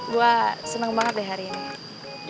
gue senang banget deh hari ini